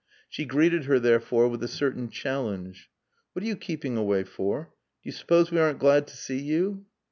She greeted her therefore with a certain challenge. "What are you keeping away for? Do you suppose we aren't glad to see you?"